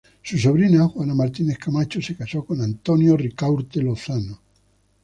Su sobrina, Juana Martínez Camacho, se casó con Antonio Ricaurte Lozano.